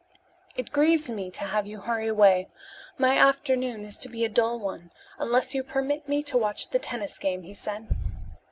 "It grieves me to have you hurry away. My afternoon is to be a dull one, unless you permit me to watch the tennis game," he said.